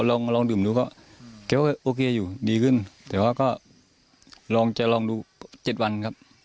ก็ลองดื่มดูเขาคิดว่าโอเคอยู่ดีขึ้นแต่ว่าก็ลองดู๗วันครับ